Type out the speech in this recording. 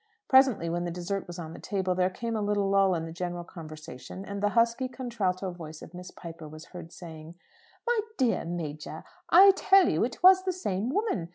Presently, when the dessert was on the table, there came a little lull in the general conversation, and the husky contralto voice of Miss Piper was heard saying, "My dear Major, I tell you it was the same woman.